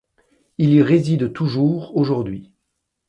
Il y réside toujours aujourd'hui.